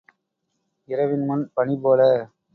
இரவிமுன் பணி போல.